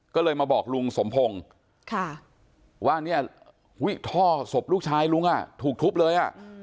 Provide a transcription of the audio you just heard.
ก็เลยมาบอกลุงสมพงศ์ว่าเนี่ยท่อศพลูกชายลุงถูกทุบเลย